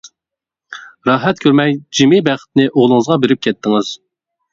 راھەت كۆرمەي جىمى بەختنى، ئوغلىڭىزغا بېرىپ كەتتىڭىز.